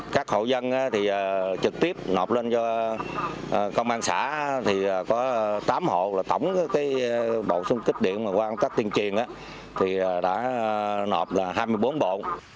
các hộ dân trực tiếp nộp lên cho công an xã có tám hộ tổng bộ sung kích điện quan tác tuyên truyền đã nộp hai mươi bốn bộ